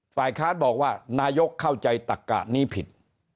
ฝ่ายค้านบอกว่านายกเข้าใจตักกะนี้ผิด